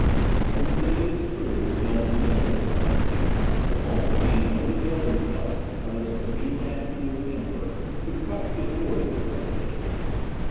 Every thing, it is true, was done in the name of the latter; but Wallenstein only availed himself of the supreme majesty of the Emperor to crush the authority of other states.